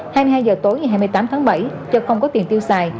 hai mươi hai h tối ngày hai mươi tám tháng bảy do không có tiền tiêu xài